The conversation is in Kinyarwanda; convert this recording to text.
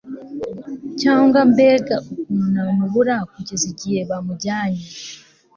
cyangwa mbega ukuntu namubura kugeza igihe bamujyanye